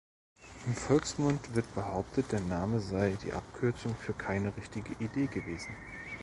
Im Volksmund wird behauptet der Name sei die Abkürzung für „Keine richtige Idee“ gewesen.